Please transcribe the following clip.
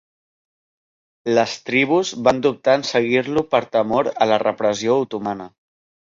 Les tribus van dubtar en seguir-lo per temor a la repressió otomana.